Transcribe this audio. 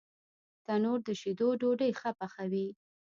تنور د شیدو ډوډۍ ښه پخوي